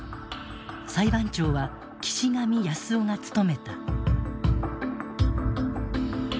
裁判長は岸上康夫が務めた。